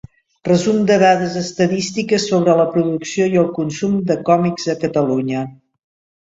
Resum de dades estadístiques sobre la producció i el consum de còmics a Catalunya.